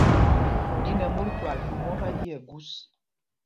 Ɗín ɛ̄ mót twal ɗūm ɔ́kɛ, í Ɛgūs.